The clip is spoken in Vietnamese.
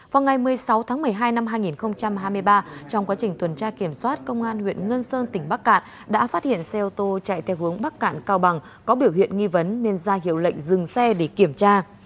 vào ngày một mươi sáu tháng một mươi hai năm hai nghìn hai mươi ba trong quá trình tuần tra kiểm soát công an huyện ngân sơn tỉnh bắc cạn đã phát hiện xe ô tô chạy theo hướng bắc cạn cao bằng có biểu hiện nghi vấn nên ra hiệu lệnh dừng xe để kiểm tra